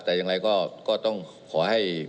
แต่อย่างไรก็ต้องขอให้